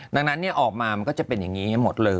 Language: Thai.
ดังนั้นนี่ออกมามันก็จะเป็นอย่างงี้